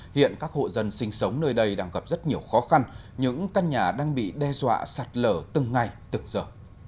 hiện các hộ dân sinh sống nơi đây đang gặp rất nhiều khó khăn những căn nhà đang bị đe dọa sạt lở từng ngày từng giờ